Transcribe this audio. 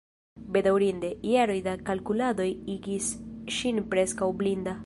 Bedaŭrinde, jaroj da kalkuladoj igis ŝin preskaŭ blinda.